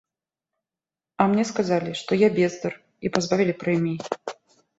А мне сказалі, што я бездар і пазбавілі прэміі.